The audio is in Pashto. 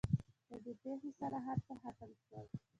له دې پېښې سره هر څه ختم شول.